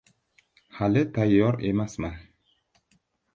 Hali tayyor emasman.